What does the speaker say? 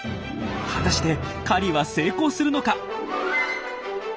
果たして狩りは成功するのか？